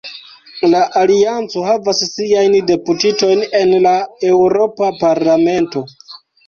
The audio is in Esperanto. La Alianco havas siajn deputitojn en la Eŭropa Parlamento.